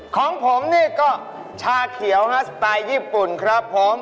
ของผมนี่ก็ชาเขียวฮะสไตล์ญี่ปุ่นครับผม